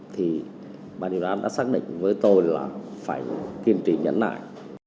thì ban chuyên án đã xác định với tôi là phải kiên trì nhấn lại